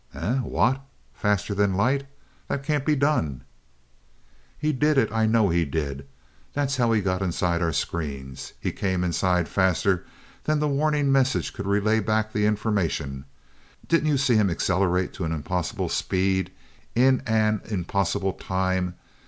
_" "Eh what? Faster than light? That can't be done " "He did it, I know he did. That's how he got inside our screens. He came inside faster than the warning message could relay back the information. Didn't you see him accelerate to an impossible speed in an impossible time?